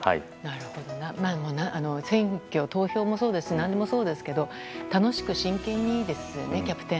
選挙、投票でも何でもそうですけど楽しく真剣にですね、キャプテン。